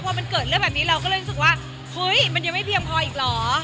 พอมันเกิดเรื่องแบบนี้เราก็เลยรู้สึกว่าเฮ้ยมันยังไม่เพียงพออีกเหรอ